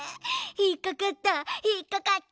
ひっかかったひっかかった！